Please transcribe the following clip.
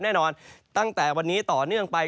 แน่นอนตั้งแต่วันนี้ต่อเนื่องไป